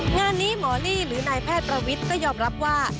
งานนี้หมอลี่หรือนายแพทย์ประวิทย์ก็ยอมรับว่า